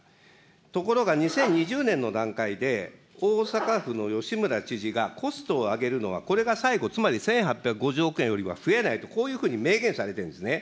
ところが２０２０年の段階で、大阪府の吉村知事がコストを上げるのは、これが最後、つまり１８５０億円よりは増えないと、こういうふうに明言されてるんですね。